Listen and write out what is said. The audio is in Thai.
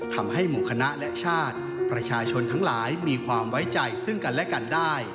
ทำให้หมู่คณะและชาติประชาชนทั้งหลายมีความไว้ใจซึ่งกันและกันได้